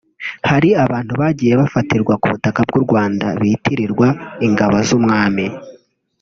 Hari n’abantu bagiye bafatirwa kubutaka bw’u Rwanda bitirirwa “ Ingabo z’Umwami”